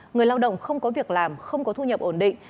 người lao động không có việc làm không có thu nhập ổn định